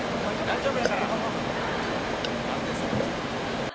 大丈夫やから、何ですの。